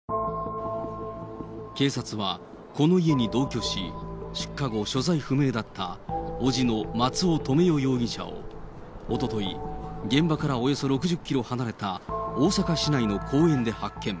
警察は、この家に同居し、出火後、所在不明だった伯父の松尾留与容疑者をおととい、現場からおよそ６０キロ離れた大阪市内の公園で発見。